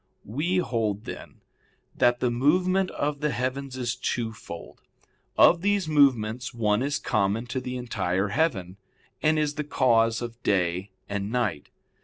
We hold, then, that the movement of the heavens is twofold. Of these movements, one is common to the entire heaven, and is the cause of day and night.